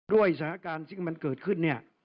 ด้วยสถานการณ์ที่มันเกิดขึ้น